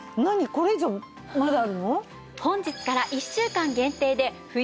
これ以上まだあるの？